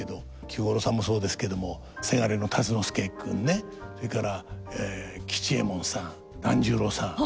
菊五郎さんもそうですけどもせがれの辰之助君ねそれから吉右衛門さん團十郎さん